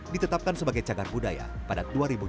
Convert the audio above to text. ditetapkan sebagai cagar budaya pada dua ribu delapan belas